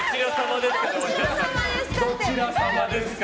どちら様ですか？